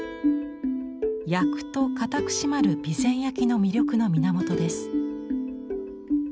焼くと硬く締まる備前焼の魅力の源です。